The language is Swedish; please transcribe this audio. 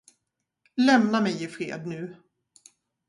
Lämna mig ifred nu.